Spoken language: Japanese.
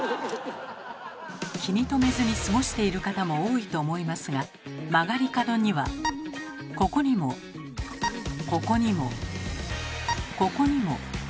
気に留めずに過ごしている方も多いと思いますが曲がり角にはここにもここにもここにも。